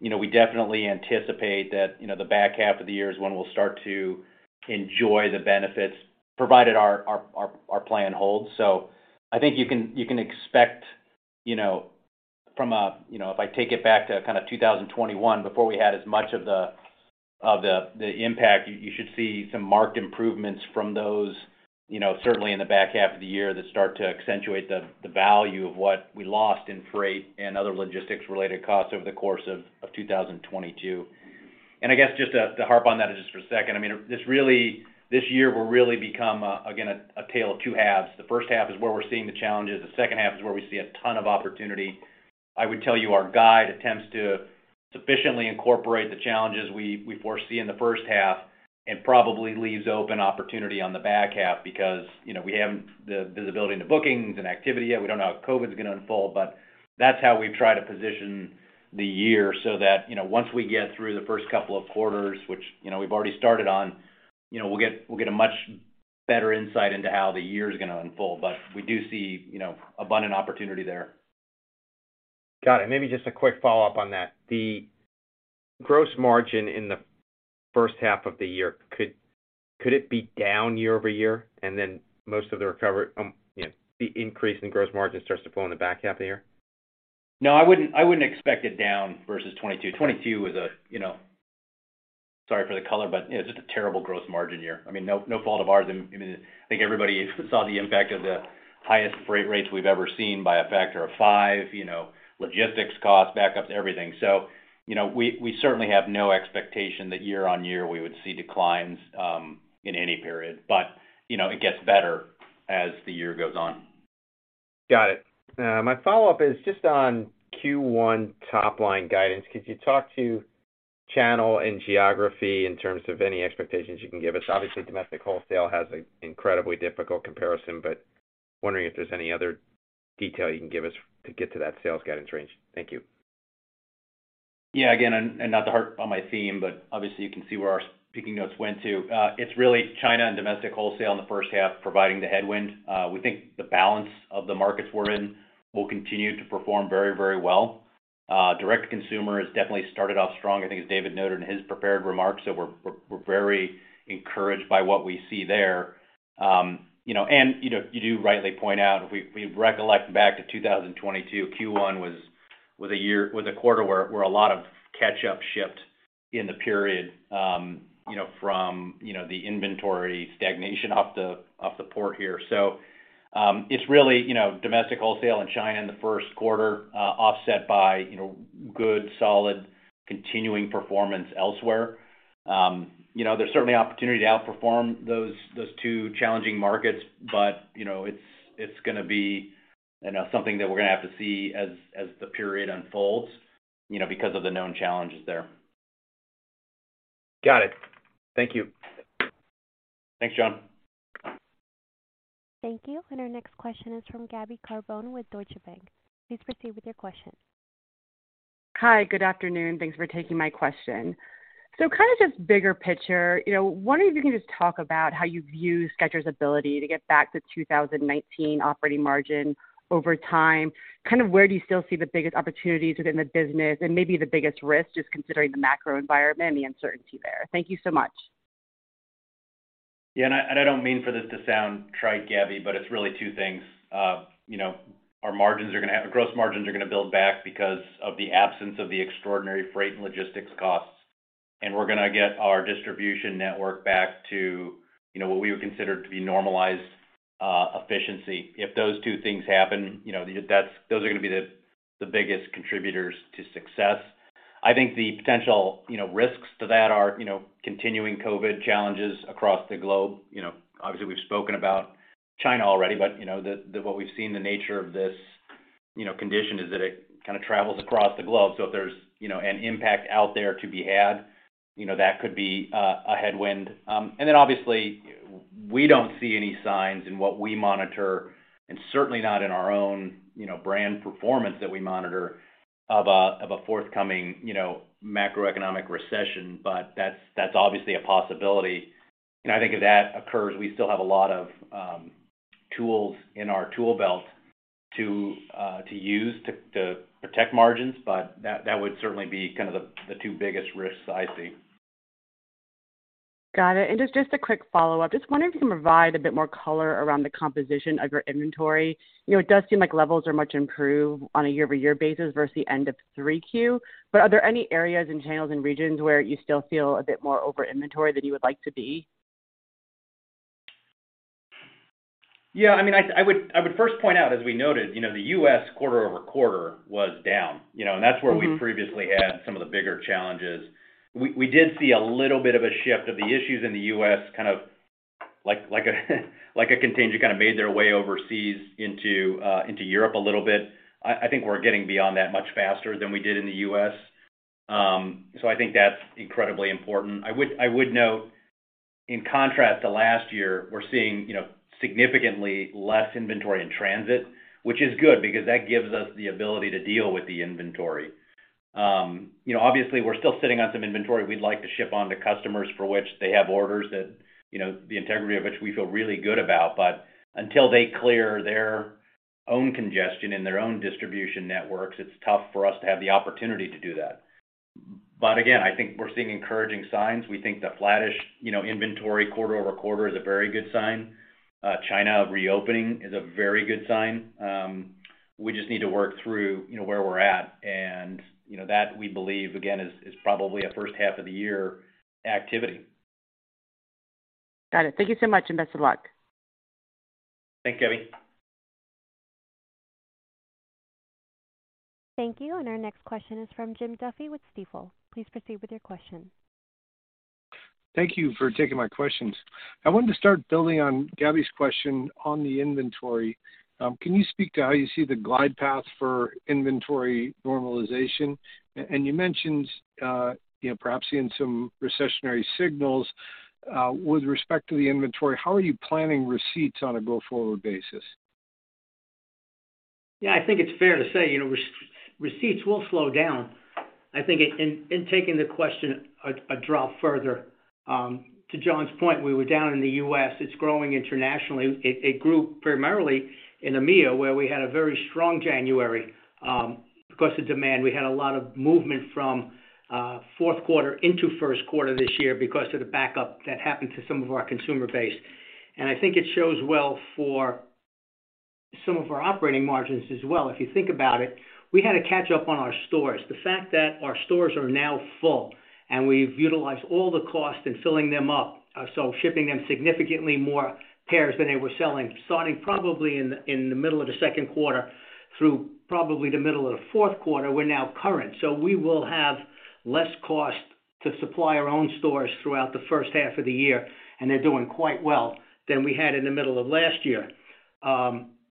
you know, we definitely anticipate that, you know, the back half of the year is when we'll start to enjoy the benefits, provided our plan holds. I think you can expect, you know, from you know, if I take it back to kind of 2021 before we had as much of the impact, you should see some marked improvements from those, you know, certainly in the back half of the year that start to accentuate the value of what we lost in freight and other logistics-related costs over the course of 2022. I guess just to harp on that just for a second. I mean, this year will really become a, again, a tale of two halves. The first half is where we're seeing the challenges. The second half is where we see a ton of opportunity. I would tell you our guide attempts to sufficiently incorporate the challenges we foresee in the first half and probably leaves open opportunity on the back half because, you know, we haven't the visibility into bookings and activity yet. We don't know how COVID's gonna unfold. That's how we've tried to position the year so that, you know, once we get through the first couple of quarters, which, you know, we've already started on, you know, we'll get a much better insight into how the year is gonna unfold. We do see, you know, abundant opportunity there. Got it. Maybe just a quick follow-up on that. The gross margin in the first half of the year, could it be down year-over-year, and then most of the you know, the increase in gross margin starts to flow in the back half of the year? No, I wouldn't, I wouldn't expect it down versus 2022. 2022 was a, you know, sorry for the color, but, you know, just a terrible gross margin year. I mean, no fault of ours. I mean, I think everybody saw the impact of the highest freight rates we've ever seen by a factor of five, you know, logistics costs back up to everything. You know, we certainly have no expectation that year-on-year we would see declines in any period. You know, it gets better as the year goes on. Got it. My follow-up is just on Q1 top line guidance. Could you talk to channel and geography in terms of any expectations you can give us? Obviously domestic wholesale has a incredibly difficult comparison, but wondering if there's any other detail you can give us to get to that sales guidance range. Thank you. Again, not to harp on my theme, but obviously you can see where our speaking notes went to. It's really China and domestic wholesale in the first half providing the headwind. We think the balance of the markets we're in will continue to perform very, very well. Direct to consumer has definitely started off strong. I think, as David noted in his prepared remarks, that we're very encouraged by what we see there. You know, you do rightly point out, we recollect back to 2022, Q1 was a quarter where a lot of catch up shipped in the period, you know, from, you know, the inventory stagnation off the port here. It's really, you know, domestic wholesale in China in the first quarter, offset by, you know, good, solid, continuing performance elsewhere. You know, there's certainly opportunity to outperform those two challenging markets, but, you know, it's gonna be, you know, something that we're gonna have to see as the period unfolds, you know, because of the known challenges there. Got it. Thank you. Thanks, John. Thank you. Our next question is from Gabriella Carbone with Deutsche Bank. Please proceed with your question. Hi. Good afternoon. Thanks for taking my question. Kind of just bigger picture, you know, wondering if you can just talk about how you view Skechers' ability to get back to 2019 operating margin over time. Kind of where do you still see the biggest opportunities within the business and maybe the biggest risk, just considering the macro environment and the uncertainty there? Thank you so much. Yeah. I don't mean for this to sound trite, Gabby, it's really two things. You know, our gross margins are gonna build back because of the absence of the extraordinary freight and logistics costs. We're gonna get our distribution network back to, you know, what we would consider to be normalized efficiency. If those two things happen, you know, those are gonna be the biggest contributors to success. I think the potential, you know, risks to that are, you know, continuing COVID challenges across the globe. You know, obviously, we've spoken about China already, you know, what we've seen the nature of this, you know, condition is that it kind of travels across the globe. If there's, you know, an impact out there to be had, you know, that could be a headwind. Obviously we don't see any signs in what we monitor and certainly not in our own, you know, brand performance that we monitor of a forthcoming, you know, macroeconomic recession, but that's obviously a possibility. I think if that occurs, we still have a lot of tools in our tool belt to use to protect margins, but that would certainly be kind of the two biggest risks I see. Got it. Just a quick follow-up. Just wondering if you can provide a bit more color around the composition of your inventory. You know, it does seem like levels are much improved on a year-over-year basis versus the end of 3Q. Are there any areas and channels and regions where you still feel a bit more over inventory than you would like to be? Yeah, I mean, I would first point out, as we noted, you know, the U.S. quarter-over-quarter was down. You know, that's where we previously had some of the bigger challenges. We did see a little bit of a shift of the issues in the U.S., kind of like a contingent, kind of made their way overseas into Europe a little bit. I think we're getting beyond that much faster than we did in the U.S. I think that's incredibly important. I would note in contrast to last year, we're seeing, you know, significantly less inventory in transit, which is good because that gives us the ability to deal with the inventory. You know, obviously we're still sitting on some inventory we'd like to ship on to customers for which they have orders that, you know, the integrity of which we feel really good about. Until they clear their own congestion in their own distribution networks, it's tough for us to have the opportunity to do that. Again, I think we're seeing encouraging signs. We think the flattish, you know, inventory quarter-over-quarter is a very good sign. China reopening is a very good sign. We just need to work through, you know, where we're at and, you know, that we believe again is probably a first half of the year activity. Got it. Thank you so much, and best of luck. Thanks, Gabby. Thank you. Our next question is from Jim Duffy with Stifel. Please proceed with your question. Thank you for taking my questions. I wanted to start building on Gabby's question on the inventory. Can you speak to how you see the glide path for inventory normalization? You mentioned, you know, perhaps seeing some recessionary signals, with respect to the inventory, how are you planning receipts on a go-forward basis? Yeah, I think it's fair to say, you know, receipts will slow down. I think in taking the question a drop further, to John's point, we were down in the U.S., it's growing internationally. It grew primarily in EMEA, where we had a very strong January because of demand. We had a lot of movement from fourth quarter into first quarter this year because of the backup that happened to some of our consumer base. I think it shows well for some of our operating margins as well. If you think about it, we had to catch up on our stores. The fact that our stores are now full and we've utilized all the cost in filling them up, so shipping them significantly more pairs than they were selling, starting probably in the middle of the second quarter through probably the middle of the fourth quarter, we're now current. We will have less cost to supply our own stores throughout the first half of the year, and they're doing quite well than we had in the middle of last year.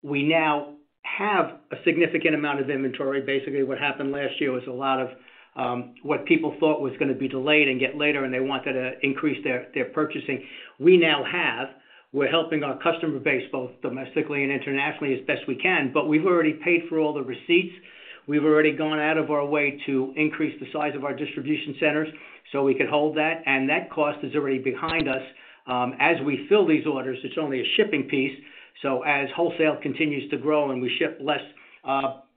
We now have a significant amount of inventory. Basically, what happened last year was a lot of what people thought was going to be delayed and get later, and they wanted to increase their purchasing. We now have. We're helping our customer base, both domestically and internationally, as best as we can, but we've already paid for all the receipts. We've already gone out of our way to increase the size of our distribution centers so we could hold that. That cost is already behind us. As we fill these orders, it's only a shipping piece. As wholesale continues to grow and we ship less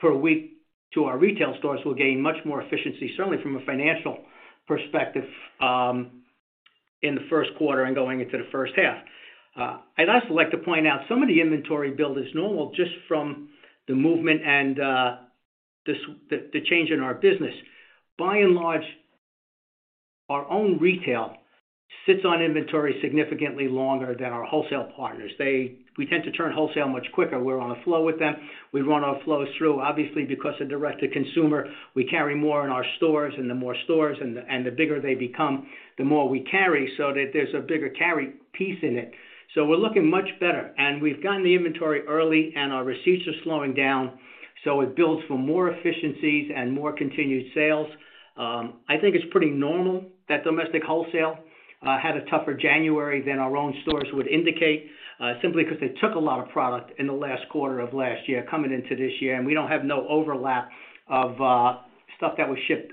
per week to our retail stores, we'll gain much more efficiency, certainly from a financial perspective, in the first quarter and going into the first half. I'd also like to point out some of the inventory build is normal just from the movement and the change in our business. By and large, our own retail sits on inventory significantly longer than our wholesale partners. We tend to turn wholesale much quicker. We're on a flow with them. We run our flows through. Obviously, because of direct-to-consumer, we carry more in our stores, and the more stores and the bigger they become, the more we carry so that there's a bigger carry piece in it. We're looking much better, and we've gotten the inventory early, and our receipts are slowing down, so it builds for more efficiencies and more continued sales. I think it's pretty normal that domestic wholesale had a tougher January than our own stores would indicate simply because they took a lot of product in the last quarter of last year coming into this year, and we don't have no overlap of stuff that was shipped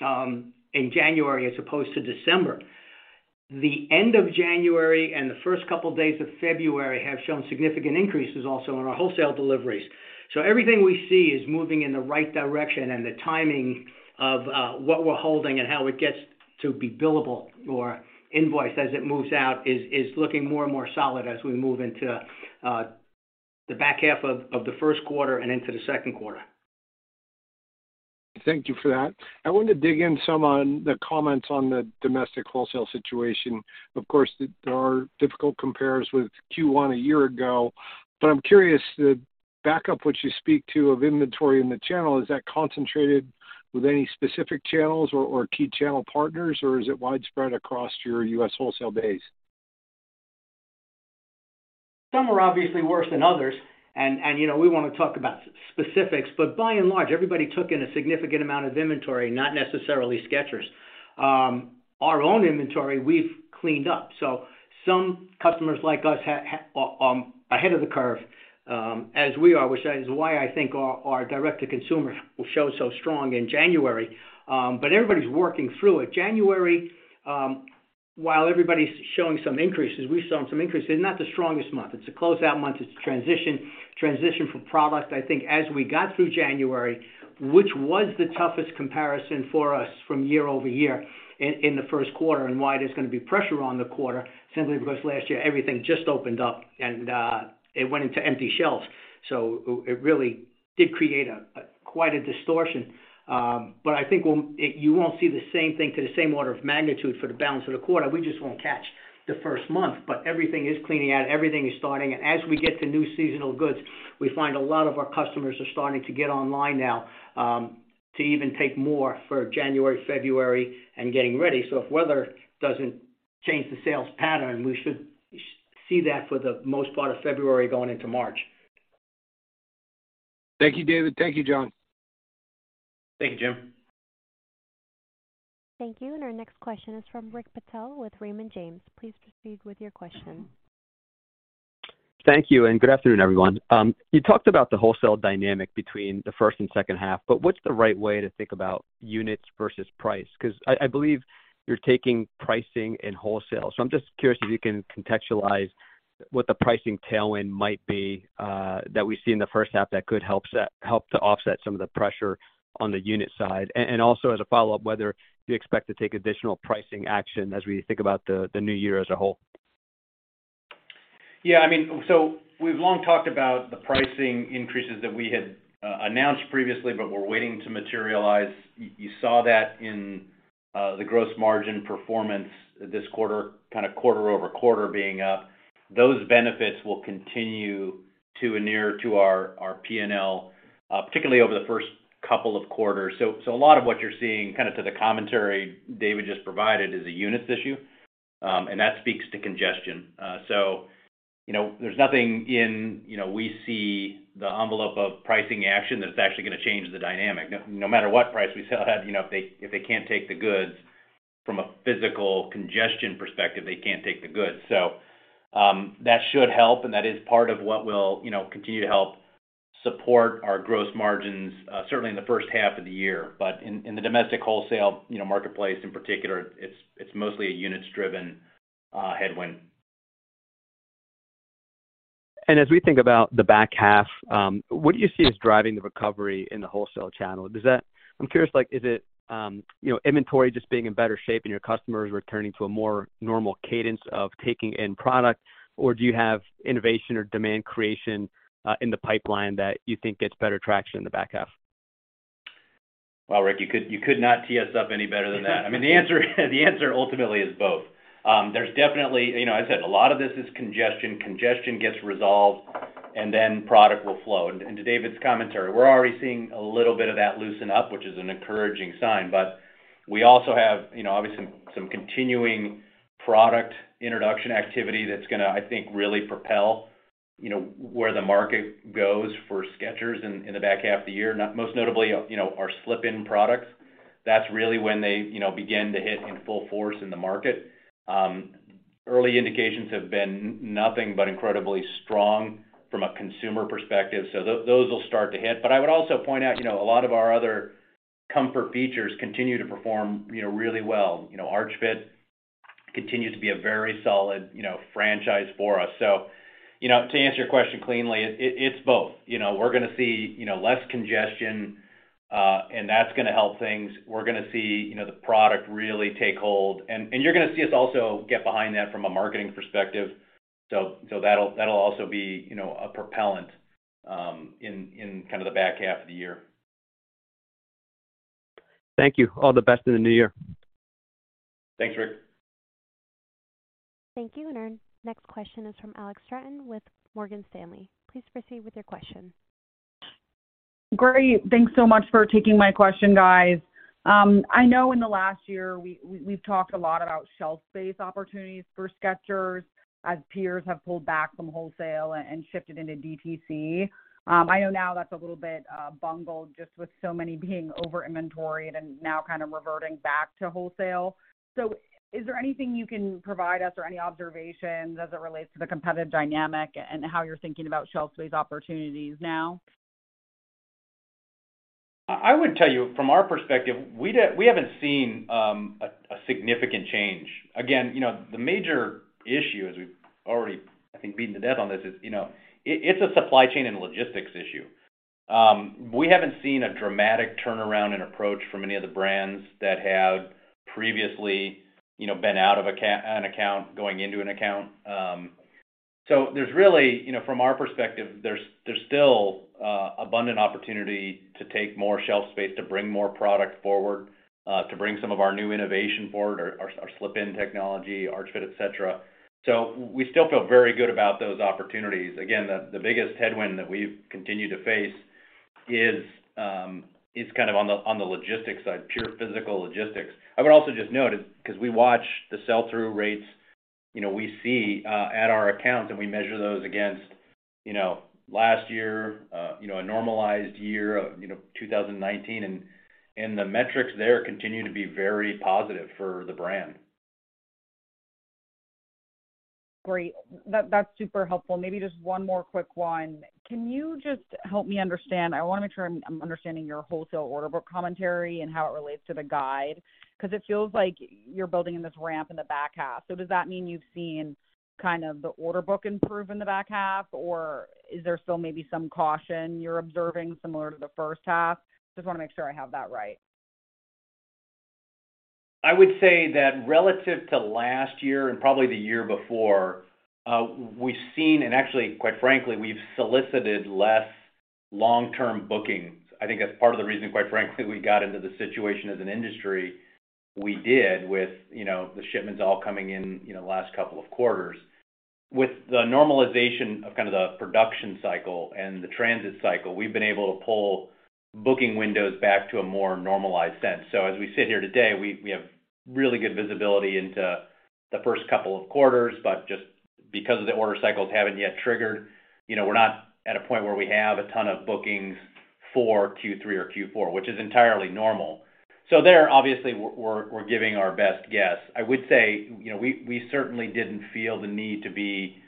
in January as opposed to December. The end of January and the first couple of days of February have shown significant increases also on our wholesale deliveries. Everything we see is moving in the right direction and the timing of what we're holding and how it gets to be billable or invoiced as it moves out is looking more and more solid as we move into the back half of the first quarter and into the second quarter. Thank you for that. I want to dig in some on the comments on the domestic wholesale situation. Of course, there are difficult compares with Q1 a year ago, but I'm curious, the backup which you speak to of inventory in the channel, is that concentrated with any specific channels or key channel partners, or is it widespread across your U.S. wholesale base? Some are obviously worse than others. You know, we don't want to talk about specifics, but by and large, everybody took in a significant amount of inventory, not necessarily Skechers. Our own inventory, we've cleaned up. Some customers like us are ahead of the curve, as we are, which is why I think our direct-to-consumer will show so strong in January. Everybody's working through it. January, while everybody's showing some increases, we've shown some increases. It's not the strongest month. It's a closeout month. It's a transition for product. I think as we got through January, which was the toughest comparison for us from year-over-year in the first quarter, and why there's going to be pressure on the quarter, simply because last year everything just opened up and it went into empty shelves. It really did create a, quite a distortion. I think you won't see the same thing to the same order of magnitude for the balance of the quarter. We just won't catch the first month. Everything is cleaning out, everything is starting. As we get to new seasonal goods, we find a lot of our customers are starting to get online now, to even take more for January, February and getting ready. If weather doesn't change the sales pattern, we should see that for the most part of February going into March. Thank you, David. Thank you, John. Thank you, Jim. Thank you. Our next question is from Rick Patel with Raymond James. Please proceed with your question. Thank you. Good afternoon, everyone. You talked about the wholesale dynamic between the first and second half, what's the right way to think about units versus price? 'Cause I believe you're taking pricing in wholesale. I'm just curious if you can contextualize what the pricing tailwind might be that we see in the first half that could help to offset some of the pressure on the unit side. Also as a follow-up, whether you expect to take additional pricing action as we think about the new year as a whole. Yeah, I mean, so we've long talked about the pricing increases that we had announced previously but were waiting to materialize. You saw that in the gross margin performance this quarter, kind of quarter-over-quarter being up. Those benefits will continue to inure to our P&L, particularly over the first couple of quarters. A lot of what you're seeing, kind of to the commentary David just provided, is a units issue, and that speaks to congestion. You know, there's nothing in, you know, we see the envelope of pricing action that's actually gonna change the dynamic. No matter what price we sell at, you know, if they can't take the goods from a physical congestion perspective, they can't take the goods. That should help, and that is part of what will, you know, continue to help support our gross margins, certainly in the first half of the year. In, in the domestic wholesale, you know, marketplace in particular, it's mostly a units-driven, headwind. As we think about the back half, what do you see as driving the recovery in the wholesale channel? I'm curious, like, is it, you know, inventory just being in better shape and your customers returning to a more normal cadence of taking in product, or do you have innovation or demand creation in the pipeline that you think gets better traction in the back half? Rick, you could not tee us up any better than that. I mean, the answer ultimately is both. There's definitely... You know, I said a lot of this is congestion. Congestion gets resolved and then product will flow. To David's commentary, we're already seeing a little bit of that loosen up, which is an encouraging sign. We also have, you know, obviously some continuing product introduction activity that's gonna, I think, really propel, you know, where the market goes for Skechers in the back half of the year. Most notably, you know, our Slip-In products. That's really when they, you know, begin to hit in full force in the market. Early indications have been nothing but incredibly strong from a consumer perspective. Those will start to hit. I would also point out, you know, a lot of our other comfort features continue to perform, you know, really well. You know, Arch Fit continues to be a very solid, you know, franchise for us. To answer your question cleanly, it's both. You know, we're gonna see, you know, less congestion, and that's gonna help things. We're gonna see, you know, the product really take hold. You're gonna see us also get behind that from a marketing perspective. That'll also be, you know, a propellant, in kind of the back half of the year. Thank you. All the best in the new year. Thanks, Rick. Thank you. Our next question is from Alex Straton with Morgan Stanley. Please proceed with your question. Great. Thanks so much for taking my question, guys. I know in the last year we've talked a lot about shelf space opportunities for Skechers, as peers have pulled back from wholesale and shifted into DTC. I know now that's a little bit bungled just with so many being over-inventoried and now kind of reverting back to wholesale. Is there anything you can provide us or any observations as it relates to the competitive dynamic and how you're thinking about shelf space opportunities now? I would tell you from our perspective, we haven't seen a significant change. You know, the major issue, as we've already, I think, beaten to death on this, is, you know, it's a supply chain and logistics issue. We haven't seen a dramatic turnaround in approach from any of the brands that have previously, you know, been out of an account going into an account. There's really, you know, from our perspective, there's still abundant opportunity to take more shelf space, to bring more product forward, to bring some of our new innovation forward, our Slip-In technology, Arch Fit, et cetera. We still feel very good about those opportunities. The biggest headwind that we continue to face is kind of on the logistics side. Pure physical logistics. I would also just note, because we watch the sell-through rates, you know, we see at our accounts, and we measure those against, you know, last year, you know, a normalized year of, you know, 2019. The metrics there continue to be very positive for the brand. Great. That's super helpful. Maybe just one more quick one. Can you just help me understand. I wanna make sure I'm understanding your wholesale order book commentary and how it relates to the guide, because it feels like you're building this ramp in the back half. Does that mean you've seen kind of the order book improve in the back half, or is there still maybe some caution you're observing similar to the first half? Just wanna make sure I have that right. I would say that relative to last year, and probably the year before, we've seen and actually, quite frankly, we've solicited less long-term bookings. I think that's part of the reason, quite frankly, we got into the situation as an industry we did with, you know, the shipments all coming in, you know, the last couple of quarters. With the normalization of kind of the production cycle and the transit cycle, we've been able to pull booking windows back to a more normalized sense. As we sit here today, we have really good visibility into the first couple of quarters, but just because of the order cycles haven't yet triggered, you know, we're not at a point where we have a ton of bookings for Q3 or Q4, which is entirely normal. There, obviously we're giving our best guess. I would say, you know, we certainly didn't feel the need to be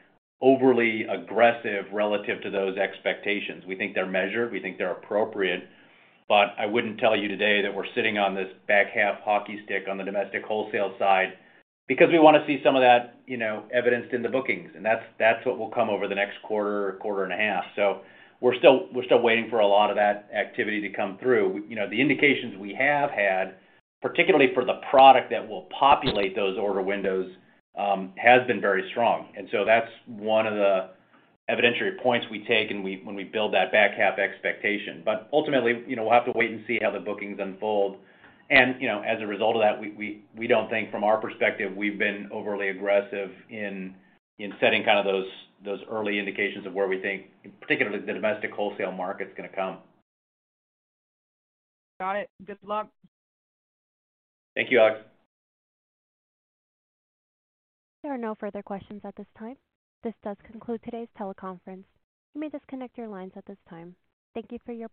overly aggressive relative to those expectations. We think they're measured, we think they're appropriate, but I wouldn't tell you today that we're sitting on this back half hockey stick on the domestic wholesale side because we wanna see some of that, you know, evidenced in the bookings, and that's what will come over the next quarter and a half. We're still waiting for a lot of that activity to come through. You know, the indications we have had, particularly for the product that will populate those order windows, has been very strong. That's one of the evidentiary points we take, and when we build that back half expectation. Ultimately, you know, we'll have to wait and see how the bookings unfold. You know, as a result of that, we don't think from our perspective, we've been overly aggressive in setting kind of those early indications of where we think, particularly the domestic wholesale market's gonna come. Got it. Good luck. Thank you, Alex. There are no further questions at this time. This does conclude today's teleconference. You may disconnect your lines at this time. Thank you for your participation.